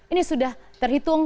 ini sudah terhitung